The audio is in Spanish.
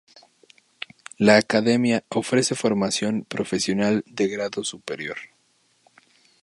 La academia ofrece formación profesional de grado superior.